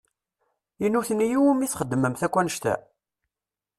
I nutni i wumi txedmemt akk annect-a?